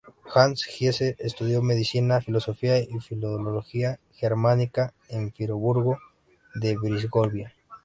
Hans Giese estudió Medicina, Filosofía y Filología germánica en Friburgo de Brisgovia.